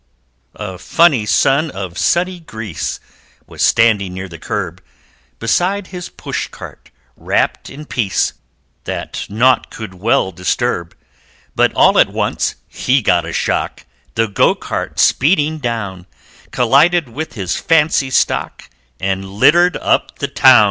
A funny Son of sunny Greece Was standing near the curb, Beside his push cart, wrapped in peace, That naught could well disturb But all at once he got a shock The Go cart speeding down, Collided with his fancy stock And littered up the town!